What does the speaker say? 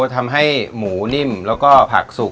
ทำให้หมูนิ่มแล้วก็ผักสุก